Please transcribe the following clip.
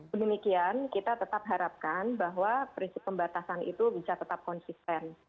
demikian kita tetap harapkan bahwa prinsip pembatasan itu bisa tetap konsisten